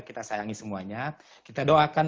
kita sayangi semuanya kita doakan